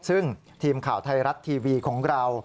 ซึ่งทีมข่าวไทยรัฐทีวีของเรา